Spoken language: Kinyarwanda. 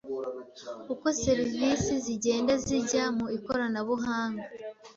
uko serivisi zigenda zijya mu ikoranabuhanga